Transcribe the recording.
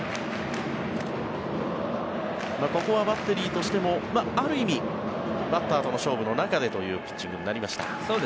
ここはバッテリーとしてもある意味バッターとの勝負の中でというピッチングになりました。